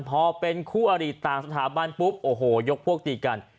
พอเป็นคู่อริต่างสถาบันปุ๊บโอ้โหยกพวกตีกัน